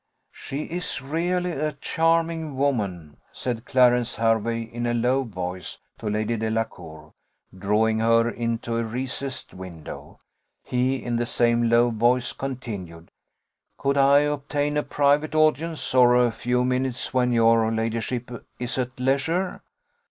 "She is really a charming woman," said Clarence Hervey, in a low voice, to Lady Delacour, drawing her into a recessed window: he in the same low voice continued, "Could I obtain a private audience of a few minutes when your ladyship is at leisure?